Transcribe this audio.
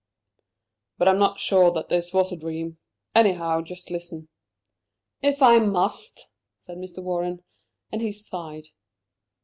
"But I'm not sure that this was a dream. Anyhow, just listen." "If I must!" said Mr. Warren. And he sighed.